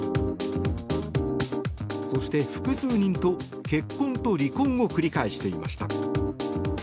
そして複数人と、結婚と離婚を繰り返していました。